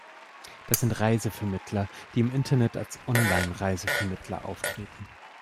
Das sind Reisevermittler, die im Internet als Online-Reisevermittler auftreten.